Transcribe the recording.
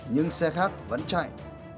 nhưng xe khác vẫn chạy